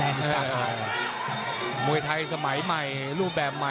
มันโดนแต่มันไม่ยุดนะ